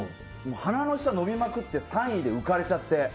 鼻の下が伸びまくって３位で浮かれちゃって。